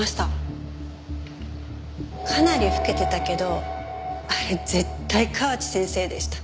かなり老けてたけどあれ絶対河内先生でした。